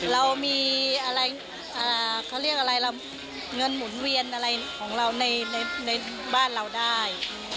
เรามีเงินหมุนเวียนอะไรของเราในบ้านเราได้